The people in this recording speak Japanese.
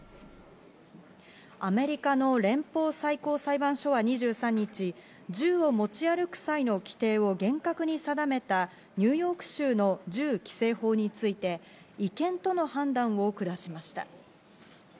アメリカの連邦最高裁判所は２３日、銃を持ち歩く際の規定を厳格に定めたニューヨーク州の銃規制法について、違憲との判断を下しました。